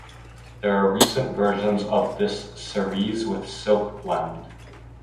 There are recent versions of this sarees with silk blend.